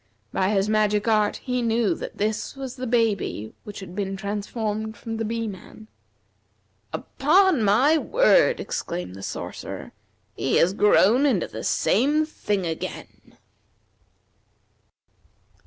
By his magic art he knew this was the baby which had been transformed from the Bee man. "Upon my word!" exclaimed the Sorcerer, "He has grown into the same thing again!"